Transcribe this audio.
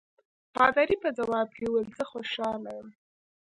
پادري په ځواب کې وویل زه خوشاله یم.